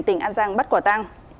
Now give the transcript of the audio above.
tỉnh an giang bắt quả tang